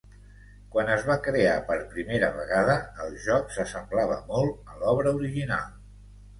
Quan es va crear per primera vegada, el joc s'assemblava molt a l'obra original.